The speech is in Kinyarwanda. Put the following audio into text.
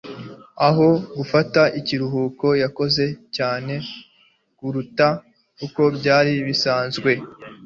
aho gufata ikiruhuko, yakoze cyane kuruta uko byari bisanzwe